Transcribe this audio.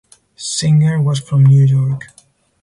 Singer was from New York.